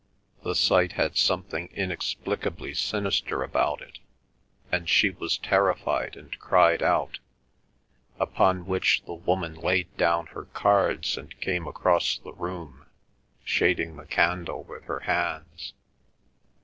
The sight had something inexplicably sinister about it, and she was terrified and cried out, upon which the woman laid down her cards and came across the room, shading the candle with her hands.